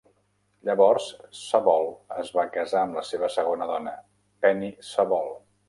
Llavors, Sabol es va casar amb la seva segona dona, Penny Sabol.